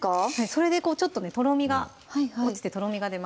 それでちょっととろみが落ちてとろみが出ます